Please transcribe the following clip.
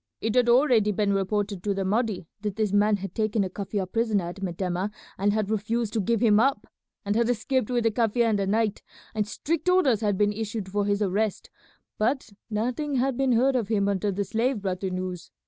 It had already been reported to the Mahdi that this man had taken a Kaffir prisoner at Metemmeh and had refused to give him up, and had escaped with the Kaffir in the night; and strict orders had been issued for his arrest, but nothing had been heard of him until the slave brought the news.